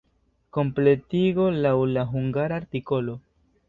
Kompletigo laŭ la hungara artikolo.